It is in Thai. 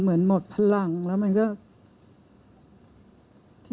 เหมือนหมดพลังแล้วมันก็